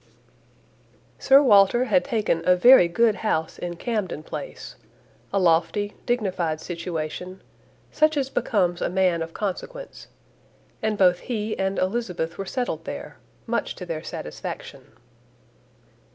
Sir Walter had taken a very good house in Camden Place, a lofty dignified situation, such as becomes a man of consequence; and both he and Elizabeth were settled there, much to their satisfaction.